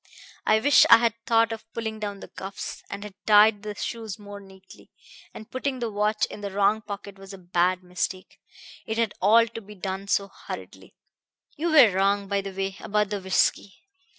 I wish I had thought of pulling down the cuffs, and had tied the shoes more neatly. And putting the watch in the wrong pocket was a bad mistake. It had all to be done so hurriedly. "You were wrong, by the way, about the whisky.